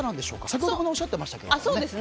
先ほどもおっしゃってましたけども。